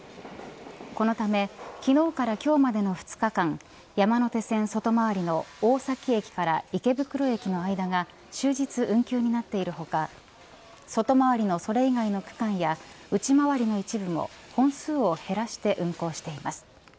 このため昨日から今日までの２日間山手線外回りの大崎駅から池袋駅の間が終日運休になっている他外回りの、それ以外の区間や内回りの一部も本数を減らして運行しています。